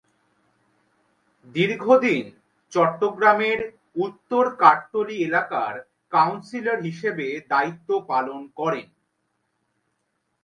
দীর্ঘদিন চট্টগ্রামের উত্তর কাট্টলী এলাকার কাউন্সিলর হিসেবে দায়িত্ব পালন করেন।